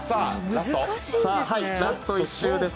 ラスト１周です。